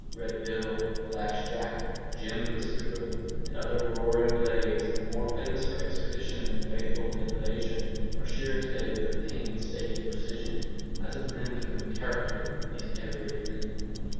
Red Bill, Flash Jack, Jem the Scooper, and other roaring blades, more famous for expedition than faithful manipulation, are shearing today with a painstaking precision, as of men to whom character is everything.